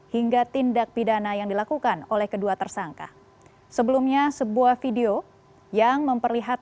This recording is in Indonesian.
hingga tindak pindah ke jawa barat